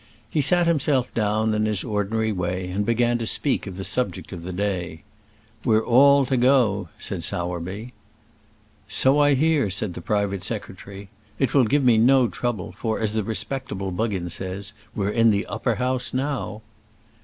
He sat himself down in his ordinary way, and began to speak of the subject of the day. "We're all to go," said Sowerby. "So I hear," said the private secretary. "It will give me no trouble, for, as the respectable Buggins says, we're in the Upper House now."